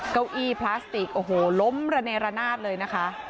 เก้าอี้พลาสติกโอ้โหล้มระเนรนาศเลยนะคะ